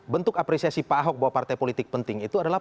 bentuk apresiasi pak ahok bahwa partai politik penting itu adalah